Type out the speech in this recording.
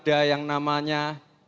danah yang berharga dan kemampuan